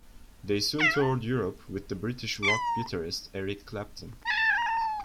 They soon toured Europe with the British rock guitarist Eric Clapton.